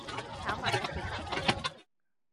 炒埋一碟